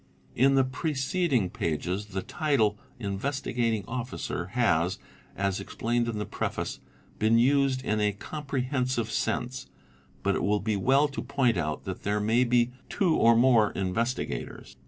| In the preceding pages the title 'Investigating Officer' has, as explained in the preface, been used in a comprehensive sense, but it will be well to point out that there may be two or more Investigators.